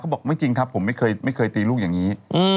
บอกไม่จริงครับผมไม่เคยตีลูกอย่างนี้